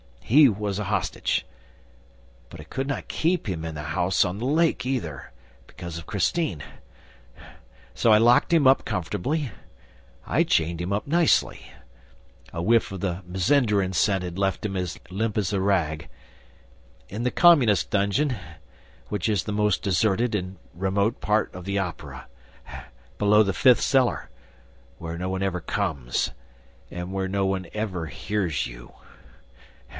... He was a hostage ... But I could not keep him in the house on the lake, either, because of Christine; so I locked him up comfortably, I chained him up nicely a whiff of the Mazenderan scent had left him as limp as a rag in the Communists' dungeon, which is in the most deserted and remote part of the Opera, below the fifth cellar, where no one ever comes, and where no one ever hears you.